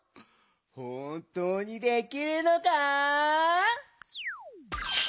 ほんとうにできるのか？